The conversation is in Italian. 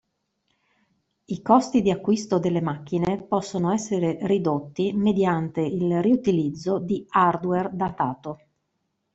I costi di acquisto delle macchine possono essere ridotti mediante il riutilizzo di hardware datato.